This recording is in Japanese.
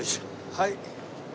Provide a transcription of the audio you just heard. はい。